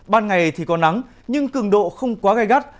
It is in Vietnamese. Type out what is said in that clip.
ban ngày thì có nắng nhưng cường độ không quá gai gắt